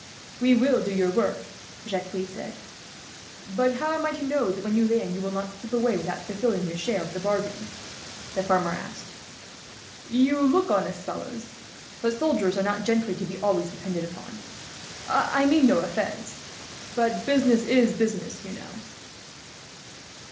"We will do your work," Jacques said. "But how am I to know that, when you land, you will not slip away without fulfilling your share of the bargain?" the farmer asked. "You look honest fellows, but soldiers are not gentry to be always depended upon. I mean no offence, but business is business, you know."